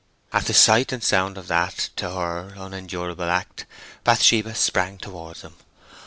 At the sight and sound of that, to her, unendurable act, Bathsheba sprang towards him.